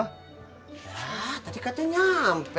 nah tadi kata nyampe